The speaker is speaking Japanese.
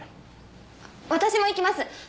私も行きます。